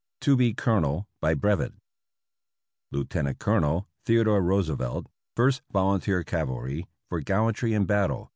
To be Colonel by Brevet. Lieutenant Colonel Theodore Roosevelt, First Volunteer Cavalry, for gallantry in battle.